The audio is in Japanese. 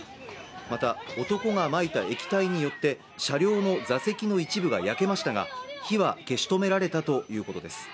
また男がまいた液体によって車両の座席の一部が焼けましたが火は消し止められたということです。